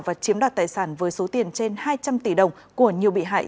và chiếm đoạt tài sản với số tiền trên hai trăm linh tỷ đồng của nhiều bị hại